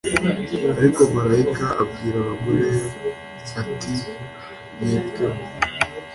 ariko marayika abwira abagore ati mwebweho